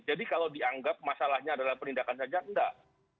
jadi kalau dianggap masalahnya adalah penindakan saja enggak